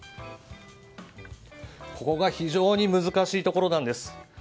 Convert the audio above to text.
ここが非常に難しいところなんです。